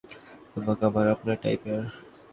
এবং আমার আপনার টাইপের।